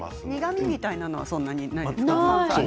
苦みみたいなものはそんなにないですか？